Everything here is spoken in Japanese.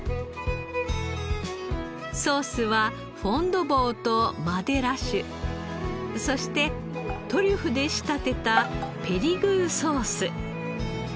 ソースはフォンドボーとマデイラ酒そしてトリュフで仕立てたペリグーソース。